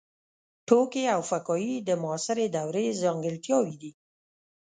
ټوکي او فکاهي د معاصرې دورې ځانګړتیاوې دي.